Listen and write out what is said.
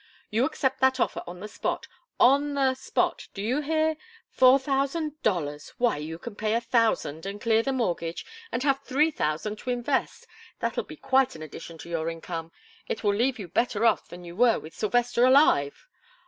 You accept that offer on the spot, on the spot, do you hear? Four thousand dollars! Why, you can pay a thousand and clear the mortgage, and have three thousand to invest that'll be quite an addition to your income. It will leave you better off than you were with Sylvester alive."